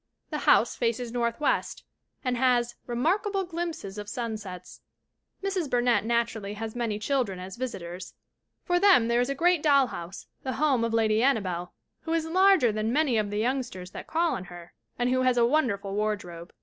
The house faces northwest and has "remarkable glimpses of sun sets." Mrs. Burnett naturally has many children as visitors. For them there is a great doll house, the home of Lady Annabelle, who is larger than many of the youngsters that call on her, and who has a won derful wardrobe.